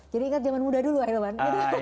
jadi ingat zaman muda dulu ya ilman